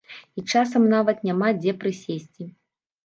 І часам нават няма дзе прысесці.